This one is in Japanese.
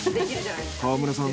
川村さん